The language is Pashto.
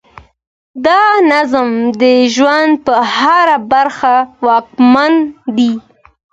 دا نظم د ژوند په هره برخه واکمن دی.